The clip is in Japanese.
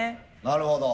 なるほど。